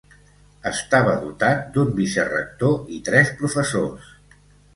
Estava dotat d'un vicerector i tres professors.